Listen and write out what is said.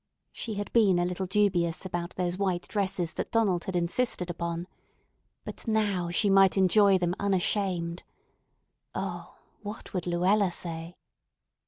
She had been a little dubious about those white dresses that Donald had insisted upon. But now she might enjoy them unashamed. O, what would Luella say?